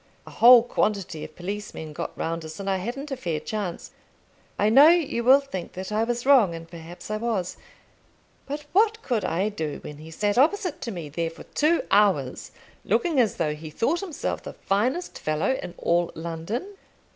A whole quantity of policemen got round us, and I hadn't a fair chance. I know you will think that I was wrong, and perhaps I was; but what could I do when he sat opposite to me there for two hours, looking as though he thought himself the finest fellow in all London?